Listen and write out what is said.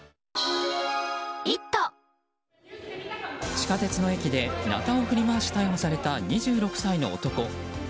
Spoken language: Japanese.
地下鉄の駅でなたを振り回し、逮捕された２６歳の男。